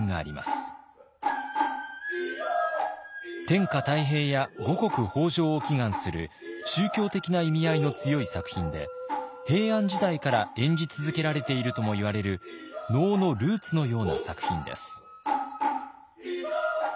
天下太平や五穀豊穣を祈願する宗教的な意味合いの強い作品で平安時代から演じ続けられているともいわれる能のルーツのような作品です。